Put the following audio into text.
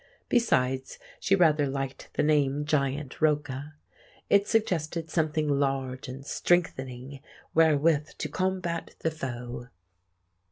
Besides, she rather liked the name "Giant Rocca." It suggested something large and strengthening wherewith to combat the foe.